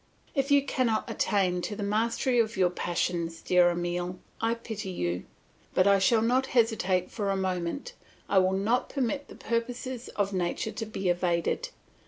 If you cannot attain to the mastery of your passions, dear Emile, I pity you; but I shall not hesitate for a moment, I will not permit the purposes of nature to be evaded.